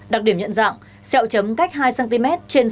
đặc điểm nhận dạng xeo chấm cách hai cm trên sáu m phải